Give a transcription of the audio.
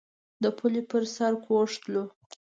د پولې پر سر کوږ تلو.